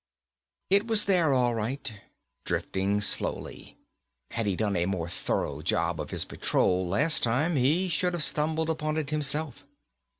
It was there all right, drifting slowly. Had he done a more thorough job of his patrol, last time, he should have stumbled upon it himself.